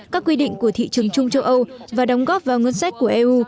các quy định của thị trường chung châu âu và đóng góp vào ngân sách của eu